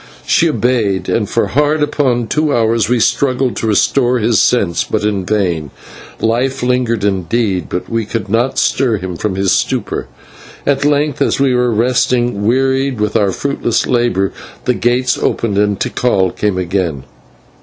She obeyed, and for hard upon two hours we struggled to restore his sense, but in vain; life lingered indeed, but we could not stir him from his stupor. At length, as we were resting, wearied with our fruitless labour, the gates opened and Tikal came again.